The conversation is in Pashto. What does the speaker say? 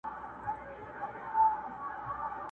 چي د چا له کوره وزمه محشر سم!.